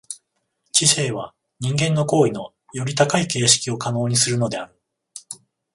知性は人間の行為のより高い形式を可能にするのである。